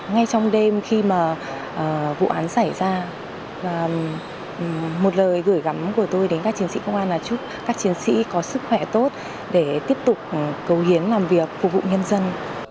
ngay trong đêm khi mà vụ án xảy ra một lời gửi gắm của tôi đến các chiến sĩ công an là chúc các chiến sĩ có sức khỏe tốt để tiếp tục cầu hiến làm việc phục vụ nhân dân